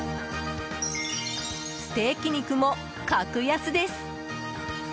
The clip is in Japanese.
ステーキ肉も格安です。